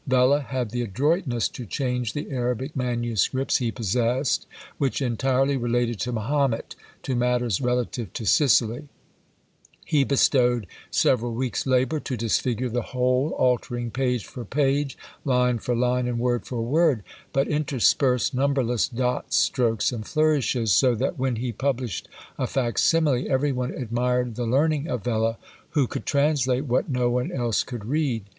Vella had the adroitness to change the Arabic MSS. he possessed, which entirely related to Mahomet, to matters relative to Sicily; he bestowed several weeks' labour to disfigure the whole, altering page for page, line for line, and word for word, but interspersed numberless dots, strokes, and flourishes; so that when he published a fac simile, every one admired the learning of Vella, who could translate what no one else could read.